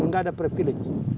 gak ada privilege